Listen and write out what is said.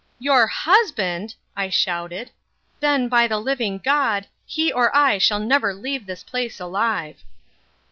"Your husband!" I shouted. "Then, by the living God, he or I shall never leave this place alive."